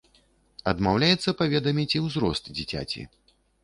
Адмаўляецца паведаміць і ўзрост дзіцяці.